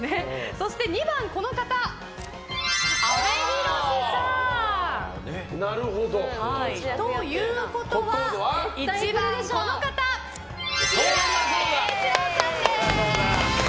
そして２番、阿部寛さん。ということは、１番は船越英一郎さんです！